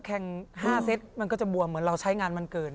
แข่ง๕เซตมันก็จะบวมเหมือนเราใช้งานมันเกิน